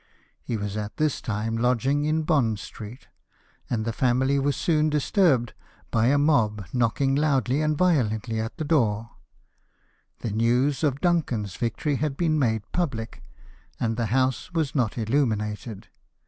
He was at that time lodging in Bond Street ; and the family was soon disturbed by a mob knocking loudly and violently at the door. The news of Duncan's victory had been made public, and the house was not illuminated.